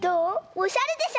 おしゃれでしょ？